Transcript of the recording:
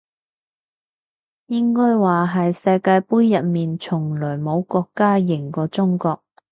應該話係世界盃入面從來冇國家贏過中國